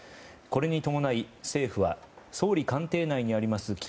これに伴い、政府は総理官邸内にあります